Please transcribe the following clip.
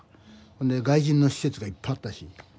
ほんで外人の施設がいっぱいあったし。